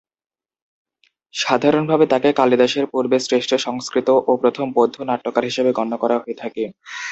সাধারণভাবে তাকে কালিদাসের পূর্বে শ্রেষ্ঠ সংস্কৃত ও প্রথম বৌদ্ধ নাট্যকার হিসেবে গণ্য করা হয়ে থাকে।